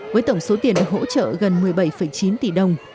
với tổng số tiền hỗ trợ gần một mươi bảy chín tỷ đồng